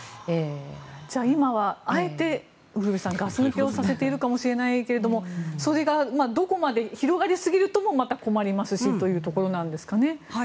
じゃあ、今はあえてガス抜きをさせているかもしれないけれどそれがどこまで広がりすぎてもまた困りますしというところなんですかね。